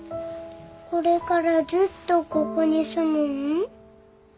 これからずっとここに住むん？